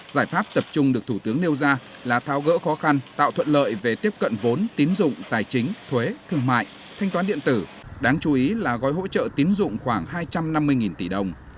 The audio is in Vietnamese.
giải pháp tập trung được thủ tướng nêu ra là thao gỡ khó khăn tạo thuận lợi về tiếp cận vốn tín dụng tài chính thuế thương mại thanh toán điện tử đáng chú ý là gói hỗ trợ tín dụng khoảng hai trăm năm mươi tỷ đồng